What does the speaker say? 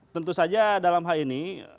tentu saja dalam hal ini